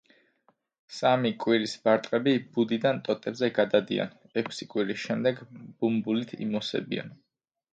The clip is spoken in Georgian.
სამი კვირის ბარტყები ბუდიდან ტოტებზე გადადიან, ექვსი კვირის შემდეგ ბუმბულით იმოსებიან.